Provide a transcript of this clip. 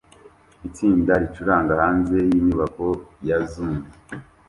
Itsinda ricuranga hanze yinyubako ya Zune